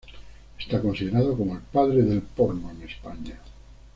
Está considerado como el padre del porno en España.